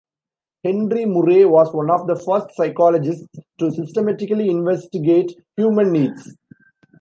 Henry Murray was one of the first psychologists to systematically investigate human needs.